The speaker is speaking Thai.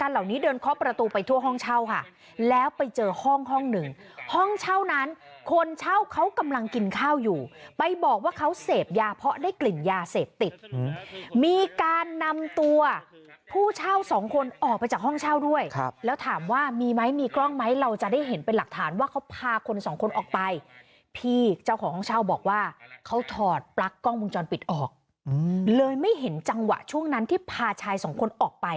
ห้องหนึ่งห้องเช่านั้นคนเช่าเขากำลังกินข้าวอยู่ไปบอกว่าเขาเสพยาเพราะได้กลิ่นยาเสพติดมีการนำตัวผู้เช่าสองคนออกไปจากห้องเช่าด้วยแล้วถามว่ามีไหมมีกล้องไหมเราจะได้เห็นเป็นหลักฐานว่าเขาพาคนสองคนออกไปพี่เจ้าของห้องเช่าบอกว่าเขาถอดปลั๊กกล้องวงจรปิดออกเลยไม่เห็นจังหวะช่วงนั้นที่พาชายสองคนอ